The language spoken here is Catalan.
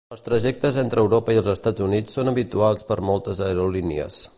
Els trajectes entre Europa i els Estats Units són habituals per moltes aerolínies